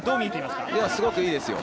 すごくいいですよ。